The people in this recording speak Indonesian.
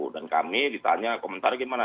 dan kami ditanya komentar gimana